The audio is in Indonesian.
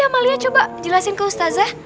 sama lia coba jelasin ke ustazah